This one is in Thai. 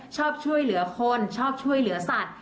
ชอบช่วยเหลือคนชอบช่วยเหลือสัตว์